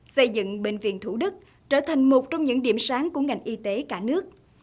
xây dựng bệnh viện thủ đức trở thành một trong những điểm sáng của ngành y tế cả nước